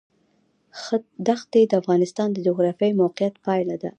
ښتې د افغانستان د جغرافیایي موقیعت پایله ده.